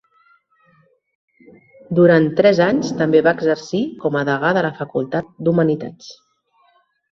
Durant tres anys, també va exercir com a degà de la Facultat d'Humanitats.